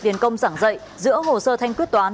tiền công giảng dạy giữa hồ sơ thanh quyết toán